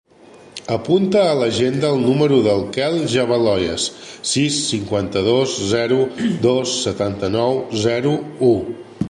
Apunta a l'agenda el número del Quel Javaloyes: sis, cinquanta-dos, zero, dos, setanta-nou, zero, u.